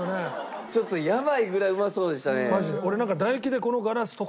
ちょっとやばいぐらいうまそうでしたね。